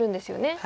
はい。